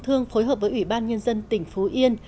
từ ngày một mươi đến ngày một mươi sáu tháng bảy